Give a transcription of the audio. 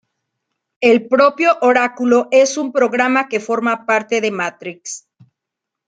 El propio Oráculo es un programa que forma parte de Matrix.